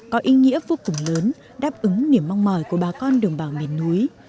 có ý nghĩa vô cùng lớn đáp ứng niềm mong mỏi của bà con đồng bào miền núi